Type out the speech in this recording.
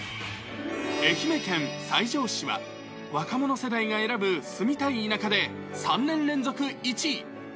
愛媛県西条市は、若者世代が選ぶ住みたい田舎で３年連続１位。